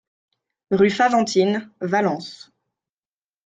Rue Faventines, Valence